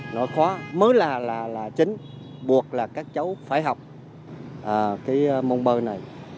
nội khóa mới là chính buộc là các cháu phải học cái môn bơi này